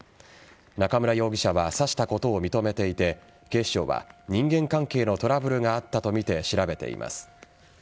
中村容疑者は刺したことを認めていて警視庁は人間関係のトラブルがあったとみて調べています。